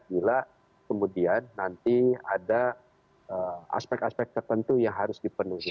bila kemudian nanti ada aspek aspek tertentu yang harus dipenuhi